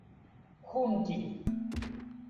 Kkunti.